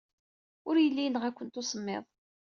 Ur yelli yenɣa-kent usemmiḍ.